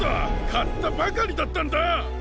かったばかりだったんだ！